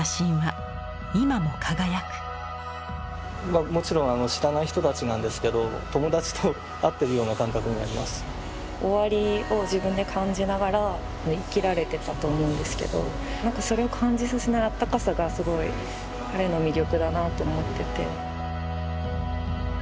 まあもちろん知らない人たちなんですけど終わりを自分で感じながら生きられてたと思うんですけど何かそれを感じさせないあったかさがすごい彼の魅力だなと思ってて。